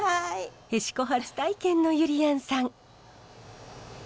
へしこ初体験のゆりやんさん。